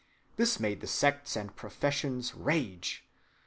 This made the sects and professions rage.